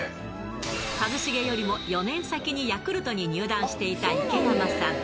一茂よりも４年先にヤクルトに入団していた池山さん。